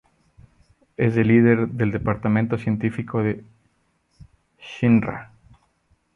Es el líder del Departamento Científico de Shinra.